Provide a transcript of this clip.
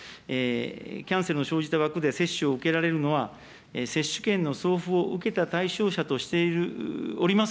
キャンセルの生じた枠で接種を受けられるのは、接種券の送付を受けた対象者としております